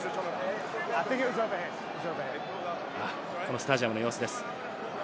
このスタジアムの様子です。